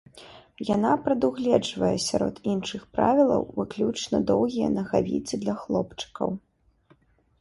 Яна прадугледжвае, сярод іншых правілаў, выключна доўгія нагавіцы для хлопчыкаў.